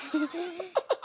ハハハ！